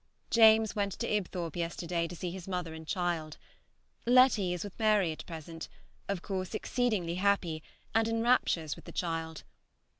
James went to Ibthorp yesterday to see his mother and child. Letty is with Mary at present, of course exceedingly happy, and in raptures with the child.